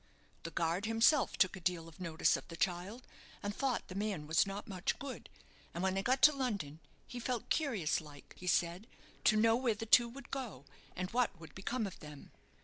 The guard himself took a deal of notice of the child, and thought the man was not much good; and when they got to London, he felt curious like, he said, to know where the two would go, and what would become of them."